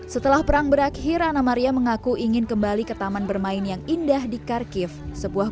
setelah perang berakhir anna maria mengaku ingin kembali ke taman bermain yang indah di kharkiv sebuah